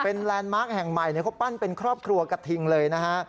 เป็นแลนด์มาร์คแห่งใหม่เขาปั้นเป็นครอบครัวกระทิงเลยนะฮะ